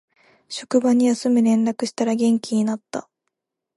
職場に休む連絡したら元気になった